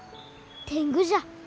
天狗じゃ。